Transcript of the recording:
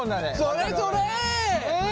それそれ！